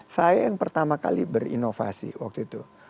saya yang pertama kali berinovasi waktu itu